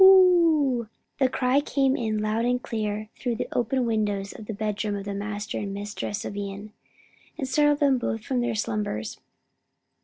hoo!" the cry came in loud and clear through the open windows of the bedroom of the master and mistress of Ion, and startled them both from their slumbers.